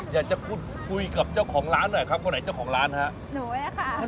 อยากจะพูดคุยกับเจ้าของร้านหน่อยครับคนไหนเจ้าของร้านฮะหนูอ่ะค่ะ